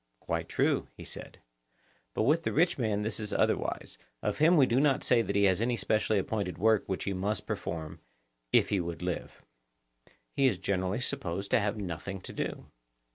Quite true, he said. But with the rich man this is otherwise; of him we do not say that he has any specially appointed work which he must perform, if he would live. He is generally supposed to have nothing to do.